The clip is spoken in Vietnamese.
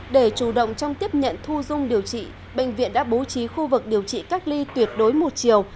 để chủ động trong tiếp nhận thu dung điều trị bệnh viện đã bố trí khu vực điều trị cách ly tuyệt đối một chiều